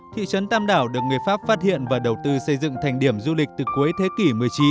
thị trấn tam đảo được người pháp phát hiện và đầu tư xây dựng thành điểm du lịch từ cuối thế kỷ một mươi chín